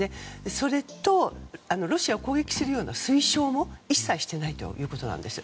それと、ロシアを攻撃するような推奨も一切していないということなんです。